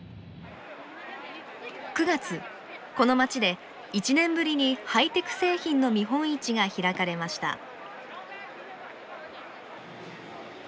９月この街で１年ぶりにハイテク製品の見本市が開かれました。